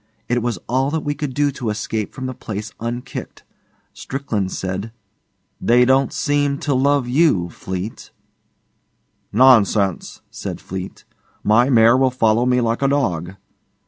It was all that we could do to escape from the place unkicked. Strickland said, 'They don't seem to love you, Fleete.' 'Nonsense,' said Fleete; 'my mare will follow me like a dog.